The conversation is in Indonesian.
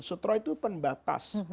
sutroh itu pembatas